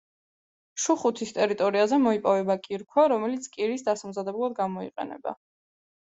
შუხუთის ტერიტორიაზე მოიპოვება კირქვა, რომელიც კირის დასამზადებლად გამოიყენება.